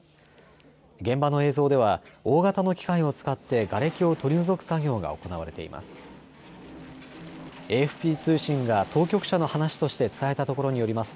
現場の映像では大型の機械を使ってがれきを取り除く作業が行われています。